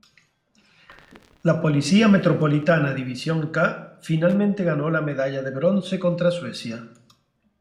La Policía Metropolitana División "K" finalmente ganó la medalla de bronce contra Suecia.